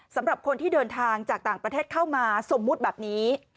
สำหรับคนที่เดินทางจากต่างประเทศเข้ามาสมมุติแบบนี้